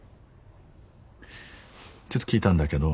ちょっと聞いたんだけど。